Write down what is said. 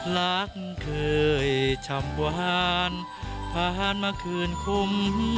รักเคยชำวารผ่านมาคืนคุม